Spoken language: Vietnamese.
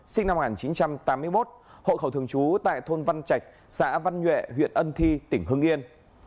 sinh năm một nghìn chín trăm tám mươi một hộ khẩu thường trú tại thôn văn trạch xã văn nhuệ huyện ân thi tỉnh hưng yên